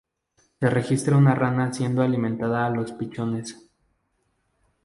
Se registra una rana siendo alimentada a los pichones.